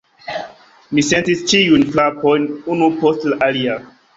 Mi sentis ĉiujn frapojn, unu post la alia.